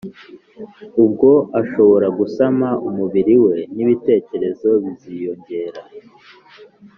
ubwo ashobora gusama umubiri we n ibitekerezo biziyongera